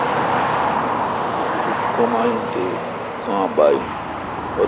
تو کما این۔۔تو کاں با این؟